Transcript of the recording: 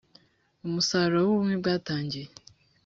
umusaruro w ubumwe bwatangiye